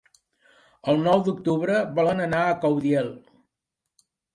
El nou d'octubre volen anar a Caudiel.